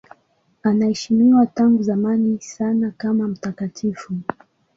Anaheshimiwa tangu zamani sana kama mtakatifu.